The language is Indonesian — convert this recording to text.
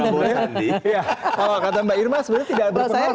kalau kata mbak irma sebenarnya tidak berpengaruh